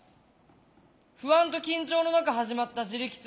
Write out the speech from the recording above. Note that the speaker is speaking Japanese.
不安と緊張の中始まった「自力通学」初日